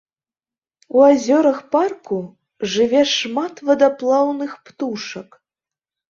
У азёрах парку жыве шмат вадаплаўных птушак.